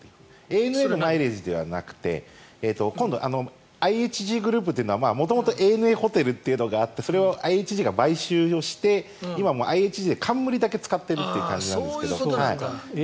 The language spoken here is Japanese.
ＡＮＡのマイレージではなくて今度、ＩＨＧグループという元々ＡＮＡホテルというのがあってそれをＩＨＧが買収して今、ＩＨＧで冠だけ使っているんですが。